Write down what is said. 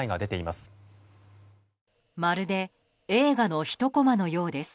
まるで映画の１コマのようです。